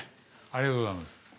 ありがとうございます。